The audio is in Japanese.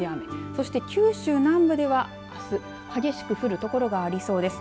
そして九州南部では、あす激しく降る所がありそうです。